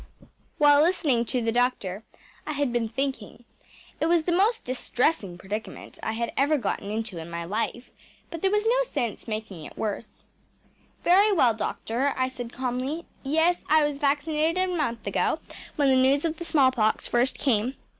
‚ÄĚ While listening to the doctor I had been thinking. It was the most distressing predicament I had ever got into in my life, but there was no sense in making it worse. “Very well, doctor,‚ÄĚ I said calmly. “Yes, I was vaccinated a month ago, when the news of the smallpox first came.